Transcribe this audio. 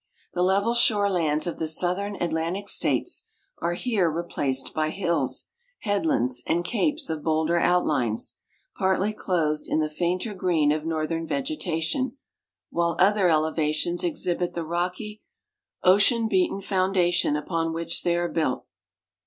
The level shore lands of the southern At lantic states are here replaced by hills, headlands, and capes of bolder outlines, partly clothed in the fainter green of northern vegetation, while other elevations exhibit therocky, ocean beaten foundation upon which they are built.